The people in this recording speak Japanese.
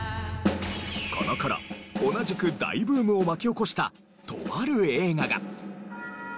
この頃同じく大ブームを巻き起こしたとある映画が。